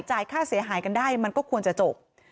ค่าเสียหายกันได้มันก็ควรจะจบ